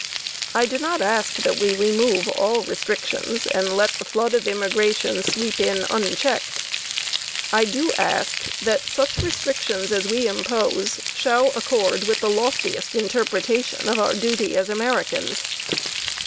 I do not ask that we remove all restrictions and let the flood of immigration sweep in unchecked. I do ask that such restrictions as we impose shall accord with the loftiest interpretation of our duty as Americans.